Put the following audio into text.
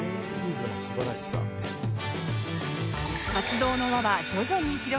活動の輪は徐々に広がり